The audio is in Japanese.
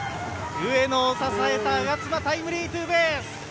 上野を支えた我妻タイムリーツーベース。